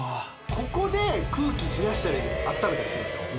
ここで空気冷やしたりあっためたりするんすよ